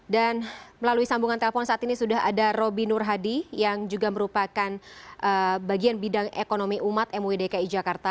melalui sambungan telepon saat ini sudah ada roby nur hadi yang juga merupakan bagian bidang ekonomi umat mui dki jakarta